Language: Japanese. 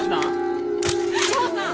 志保さん？